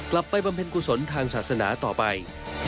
บำเพ็ญกุศลทางศาสนาต่อไป